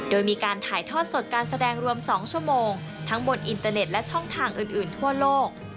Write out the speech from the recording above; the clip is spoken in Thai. โดยมีการถ่ายทอดสดการแสดงรวม๒ชั่วโมงทั้งบนอินเตอร์เน็ตและช่องทางอื่นทั่วโลก